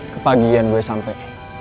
kepagihan gue sampai